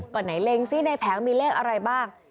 ก็ไหนเล็งซิในแผงมีเลขอะไรบ้าง